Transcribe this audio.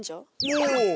おお！